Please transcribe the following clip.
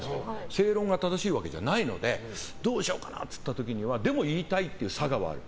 正論が正しいわけじゃないのでどうしようかなと思った時はでも言いたいっていうさがはある。